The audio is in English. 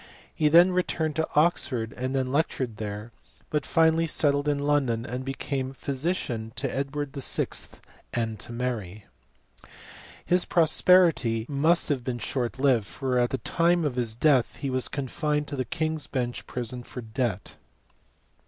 He then returned to Oxford and lectured there, but finally settled in London and became physician to Edward VI. and to Mary. His prosperity must have been short lived, for at the time of his death he was confined in the King s Bench prison for debt.